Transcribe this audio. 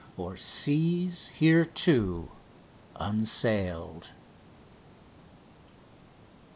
(O'er seas hereto unsailed.)